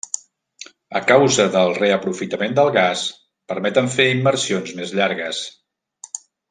A causa del reaprofitament del gas permeten fer immersions més llargues.